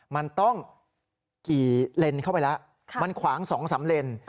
มันต้องกี่เลนเข้าไปแล้วมันขวาง๒๓เลน